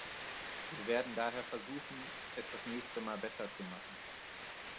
Wir werden daher versuchen, es das nächste Mal besser zu machen.